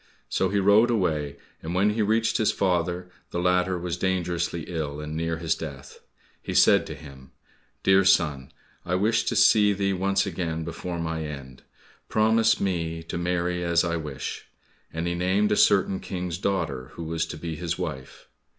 So he rode away, and when he reached his father, the latter was dangerously ill, and near his death. He said to him, "Dear son, I wished to see thee once again before my end, promise me to marry as I wish," and he named a certain King's daughter who was to be his wife.